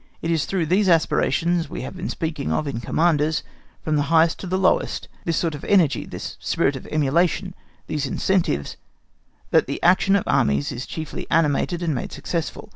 It is through these aspirations we have been speaking of in Commanders, from the highest to the lowest, this sort of energy, this spirit of emulation, these incentives, that the action of armies is chiefly animated and made successful.